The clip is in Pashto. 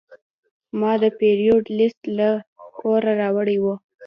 ما د پیرود لیست له کوره راوړی و.